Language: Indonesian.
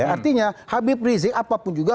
artinya habib rizik apapun juga